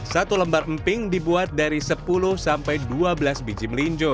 satu lembar emping dibuat dari sepuluh sampai dua belas biji melinjo